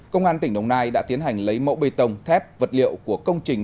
công an tỉnh đồng nai đã tiến hành lấy mẫu bê tông thép vật liệu của công trình